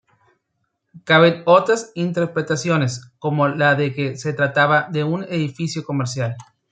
Caben otras interpretaciones, como la de que se trataba de un edificio comercial.